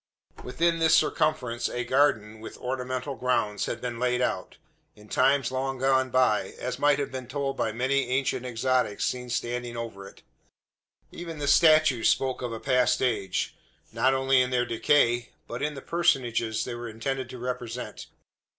Within this circumference a garden, with ornamental grounds, had been laid out, in times long gone by as might have been told by many ancient exotics seen standing over it. Even the statues spoke of a past age not only in their decay, but in the personages they were intended to represent.